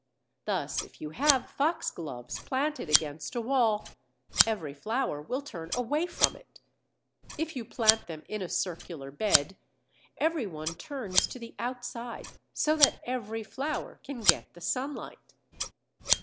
Thus, if you have Foxgloves planted against a wall, every flower will turn away from it; if you plant them in a circular bed, every one turns to the outside, so that every flower can get the sunlight.